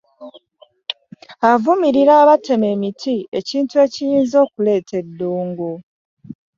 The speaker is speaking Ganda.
Avumirira abatema emiti ekintu ekiyinza okuleeta eddungu.